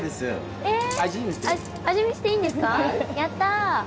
やった。